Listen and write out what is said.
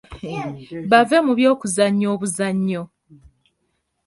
Bave mu by'okuzannya obuzannyo.